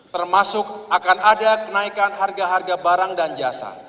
termasuk akan ada kenaikan harga harga barang dan jasa